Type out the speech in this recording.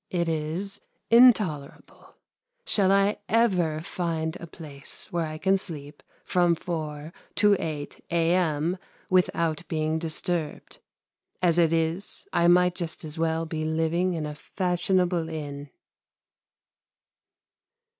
It is intolerable. Shall I ever find a place where I can sleep from 4 to 8 a.m. without being disturbed? As it is, I might just as well be living in a fashionable inn.